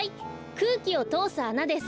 くうきをとおすあなです。